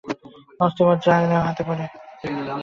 অস্থিমজ্জা নেওয়া হতে পারে তাঁর সাত বছর বয়সী ছোট বোনের কাছ থেকে।